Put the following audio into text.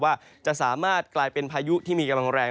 ว่าจะสามารถกลายเป็นพายุที่มีกำลังแรง